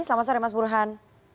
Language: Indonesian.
selamat sore mas burhan